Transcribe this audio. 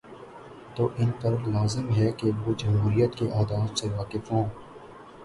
تو ان پرلازم ہے کہ وہ جمہوریت کے آداب سے واقف ہوں۔